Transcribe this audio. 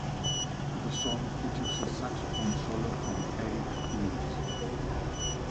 The song features a saxophone solo from Eric Leeds.